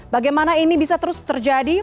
bagaimana ini bisa terus terjadi